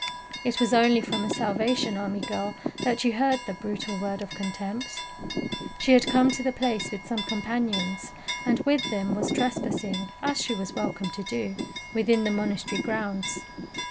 It was only from a Salvation Army girl that you heard the brutal word of contempt. She had come to the place with some companions, and with them was trespassing, as she was welcome to do, within the monastery grounds.